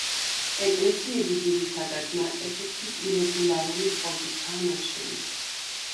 ეკლესიები ძირითადად ნატეხი ქვის ირეგულარული წყობითაა ნაშენი.